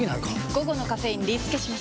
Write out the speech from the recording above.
午後のカフェインリスケします！